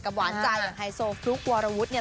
กับหวานใจอย่างไฮโซฟลุกวารวุฒิ์